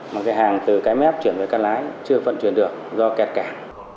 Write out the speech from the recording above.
mà cái hàng từ cái mép chuyển về cát lái chưa phận chuyển được do kẹt cảng